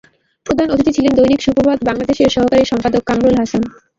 প্রধান অতিথি ছিলেন দৈনিক সুপ্রভাত বাংলাদেশ-এর সহকারী সম্পাদক কামরুল হাসান।